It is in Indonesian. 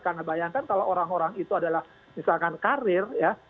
karena bayangkan kalau orang orang itu adalah misalkan karir ya